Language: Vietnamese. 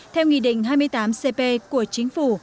theo nghị định hai mươi tám cp của chính phủ